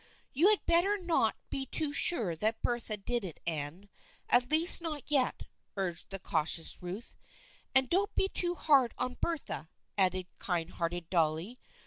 " You had better not be too sure that Bertha did it, Anne. At least not yet," urged the cautious Ruth. " And don't be too hard on Bertha," added kind hearted Dolly.